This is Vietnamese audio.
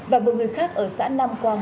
và một người khác ở xã nam quang